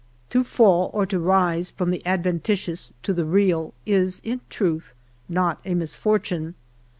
To fall, or to rise, from the ad ventitious to the real, is in truth not a misfortune.